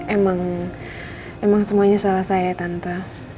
emang semuanya salah saya tante